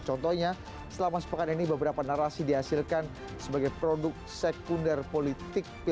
contohnya selama sepekan ini beberapa narasi dihasilkan sebagai produk sekunder politik